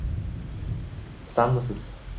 Isanmisiz?